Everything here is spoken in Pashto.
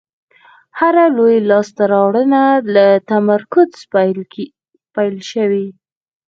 هره لویه لاستهراوړنه له تمرکز پیل شوې.